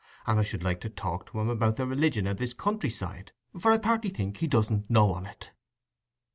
And I should like to talk to him about the religion o' this country side, for I partly think he doesn't know on it."